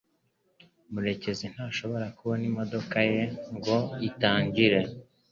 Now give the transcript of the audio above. murekezi ntashobora kubona imodoka ye ngo itangire